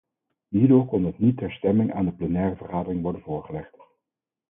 Hierdoor kon het niet ter stemming aan de plenaire vergadering worden voorgelegd.